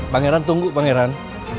pangeran tunggu pangeran